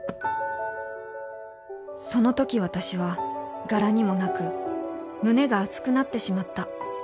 そのとき私は柄にもなく胸が熱くなってしまった。